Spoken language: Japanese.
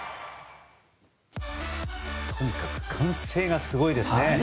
とにかく歓声がすごいですね。